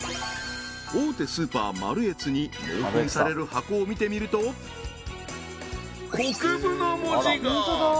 大手スーパーマルエツに納品される箱を見てみると「国分」の文字が！